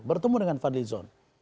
bertemu dengan fadlizon